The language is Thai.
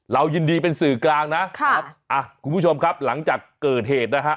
เรายินดีเป็นสื่อกลางนะครับอ่ะคุณผู้ชมครับหลังจากเกิดเหตุนะฮะ